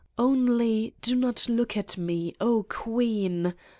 Only do not look at Me, oh, Queen